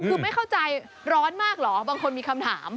คือไม่เข้าใจร้อนมากเหรอบางคนมีคำถาม